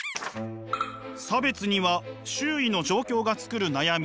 差別には周囲の状況が作る悩み